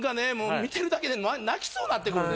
見てるだけで泣きそうなってくるね。